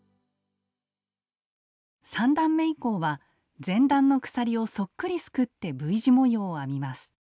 ３段め以降は前段の鎖をそっくりすくってＶ字模様を編みます。